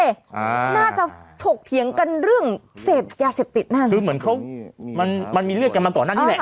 อ่าน่าจะถกเถียงกันเรื่องเสพยาเสพติดนั่นคือเหมือนเขามันมันมีเลือดกันมาก่อนหน้านี้แหละ